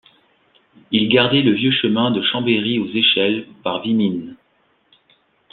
Il gardait le vieux chemin de Chambéry aux Échelles par Vimines.